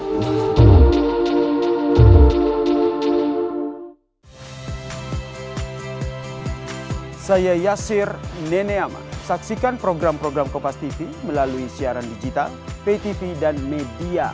hai saya yasir nenek amat saksikan program program across tv melalui siarannya kita ptp dan media